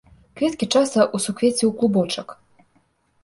Кветкі часта ў суквецці клубочак.